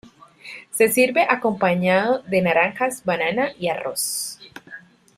Se sirve acompañado de naranjas, banana y arroz.